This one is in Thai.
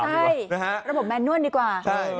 ใช่ระบบแมนนวลดีกว่า